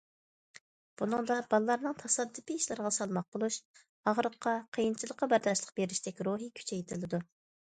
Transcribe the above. بۇنىڭدا بالىلارنىڭ تاسادىپىي ئىشلارغا سالماق بولۇش، ئاغرىققا، قىيىنچىلىققا بەرداشلىق بېرىشتەك روھى كۈچەيتىلىدۇ.